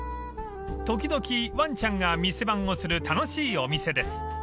［時々ワンちゃんが店番をする楽しいお店です］